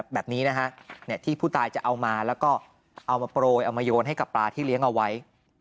แบบนี้นะฮะที่ผู้ตายจะเอามาแล้วก็เอามาโปรยเอามาโยนให้กับปลาที่เลี้ยงเอาไว้